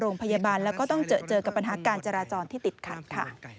โรงพยาบาลแล้วก็ต้องเจอกับปัญหาการจราจรที่ติดขัดค่ะ